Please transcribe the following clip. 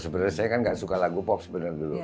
sebenarnya saya kan gak suka lagu pop sebenarnya dulu